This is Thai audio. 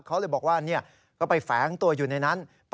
เขาเลยบอกว่าก็ไปแฝงตัวอยู่ในนั้น